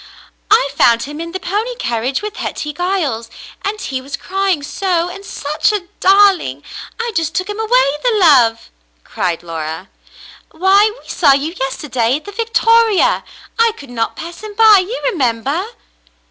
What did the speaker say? *'I found him in the pony carriage with Hetty Giles, and he was crying so — and such a darling ! I just took him away — the love !" cried Laura. *'Why, we saw you yesterday at the Victoria. I could not pass him by, you remember?"